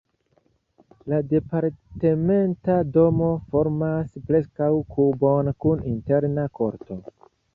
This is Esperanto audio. La departementa domo formas preskaŭ kubon kun interna korto.